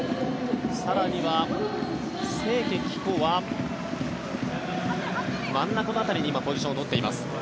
更には清家貴子は真ん中の辺りに今、ポジションを取っています。